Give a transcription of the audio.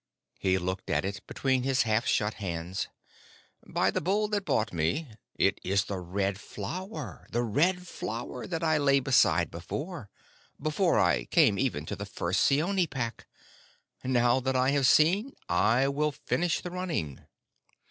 He looked at it between his half shut hands. "By the Bull that bought me, it is the Red Flower the Red Flower that I lay beside before before I came even to the first Seeonee Pack! Now that I have seen, I will finish the running."